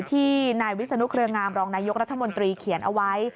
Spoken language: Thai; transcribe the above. ที่นายวิศนุเครืองามรองนายกรัฐมนตรีเขียนเอาไว้